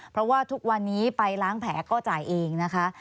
เพราะว่าทุกวันนี้ไปล้างแผลก็จ่ายเองนะคะ